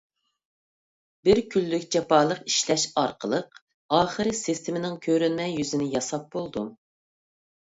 بىر كۈنلۈك جاپالىق ئىشلەش ئارقىلىق ئاخىرى سىستېمىنىڭ كۆرۈنمە يۈزىنى ياساپ بولدۇم.